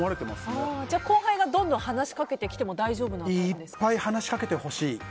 じゃあ後輩が話しかけてきても大丈夫なんですか？